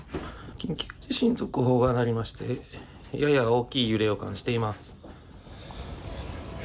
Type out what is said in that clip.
緊急地震速報が鳴りまして大きい揺れを感じています。